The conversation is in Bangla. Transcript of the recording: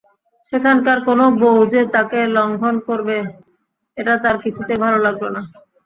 সেখানকার কোনো বউ যে তাকে লঙ্ঘন করবে এটা তার কিছুতেই ভালো লাগল না।